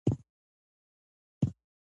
مخکې له مخکې بیدار اوسه.